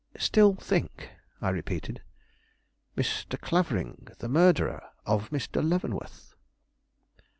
"Still think?" I repeated. "Mr. Clavering the murderer of Mr. Leavenworth?"